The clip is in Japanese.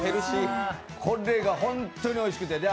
これが本当においしくて。